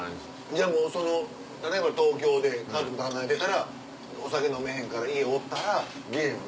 じゃあ例えば東京で家族と離れてたらお酒飲めへんから家おったらゲーム？